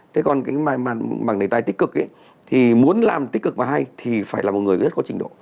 thế còn cái mảng đề tài tích cực ấy thì muốn làm tích cực và hay thì phải là một người rất có trình độ